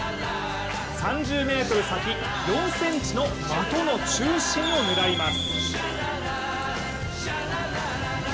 ３０ｍ先、４ｃｍの的の中心を狙います。